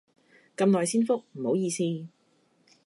咁耐先覆，唔好意思